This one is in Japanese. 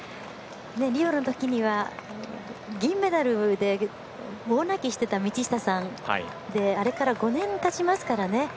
リオのときには銀メダルで大泣きしていた道下さんであれから５年たちますからね。